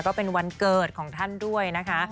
ก็เป็นวันเกิดของท่านด้วยนะคะ